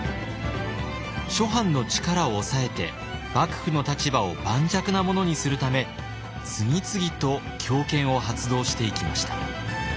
諸藩の力を抑えて幕府の立場を盤石なものにするため次々と強権を発動していきました。